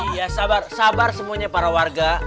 iya sabar sabar semuanya para warga